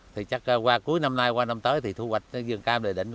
thì chắc qua cuối năm nay qua năm tới thì thu hoạch cái vườn cam đầy định